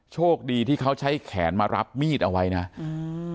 โชคดีที่เขาใช้แขนมารับมีดเอาไว้นะอืม